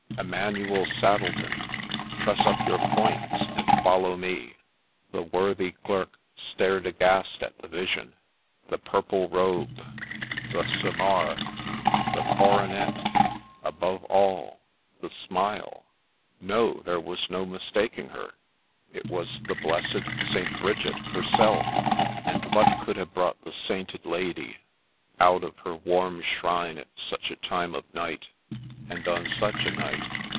' Emmanuel Saddleton, truss up your points, and follow me I ' The worthy Clerk stared aghast at the vision ; the purple robe, the cymar, the coronet, — above all, the smile ; no, there was no mistaking her ; it was the blessed St. Bridget herself ! And what could have brought the sainted lady out of her warm shrine at such a time of night ? and on such a night